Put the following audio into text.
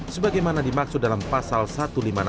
sebagaimana dimaksud dalam pasal satu ratus lima puluh enam